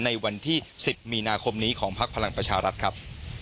ในวันที่๑๐มีนาคมนี้ของพักพลังประชารัฐครับ